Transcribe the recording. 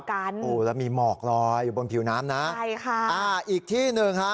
โอ้แล้วมีหมอกลอยอยู่บนผิวน้ำนะใช่ค่ะอ่าอีกที่หนึ่งฮะ